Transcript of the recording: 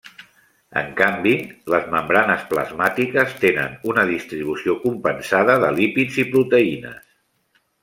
En canvi, les membranes plasmàtiques tenen una distribució compensada de lípids i proteïnes.